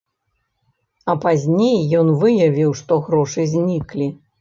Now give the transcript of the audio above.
А пазней ён выявіў, што грошы зніклі.